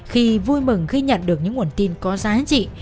khi vui mừng khi nhận được những nguồn tin có giá trị